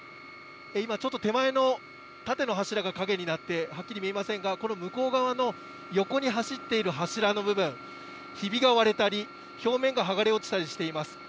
今、ちょっと手前の縦の柱が陰になって、はっきり見えませんが、この向こう側の横に走っている柱の部分、ひびが割れたり、表面が剥がれ落ちたりしています。